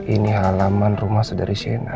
ini halaman rumah saudari siena